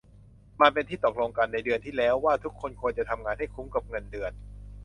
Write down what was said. มันเป็นที่ตกลงกันในเดือนที่แล้วว่าทุกคนควรจะทำงานให้คุ้มกับเงินเดือน